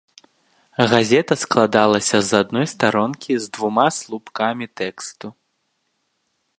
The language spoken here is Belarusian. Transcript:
Газета складалася з адной старонкі з двума слупкамі тэксту.